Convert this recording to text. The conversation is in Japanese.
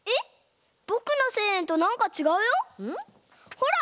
ほら！